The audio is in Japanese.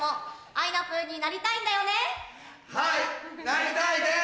なりたいです！